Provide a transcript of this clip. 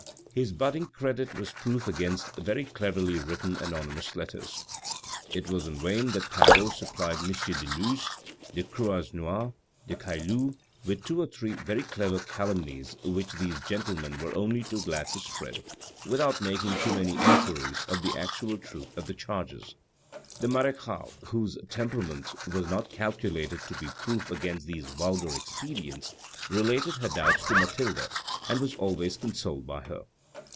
His budding credit was proof against very cleverly written anonymous letters. It was in vain that Tanbeau supplied M. de Luz, de Croisenois, de Caylus, with two or three very clever calumnies which these gentlemen were only too glad to spread, without making too many enquiries of the actual truth of the charges. The marechale, whose tempera ment was not calculated to be proof against these vulgar expedients related her doubts to Mathilde, and was always consoled by her.